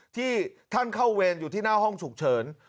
ที่ท่านเข้าเวรอยู่ที่หน้าห้องฉุกเฉิน